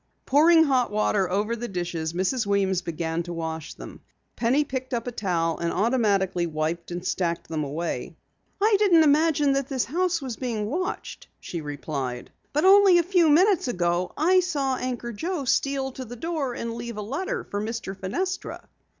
Pouring hot water over the dishes, Mrs. Weems began to wash them. Penny picked up a towel and automatically wiped and stacked them away. "I didn't imagine that this house was being watched," she replied. "Only a few minutes ago I saw Anchor Joe steal to the door and leave a letter for Mr. Fenestra."